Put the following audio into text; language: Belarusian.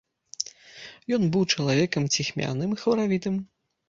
Ён быў чалавекам ціхмяным і хваравітым.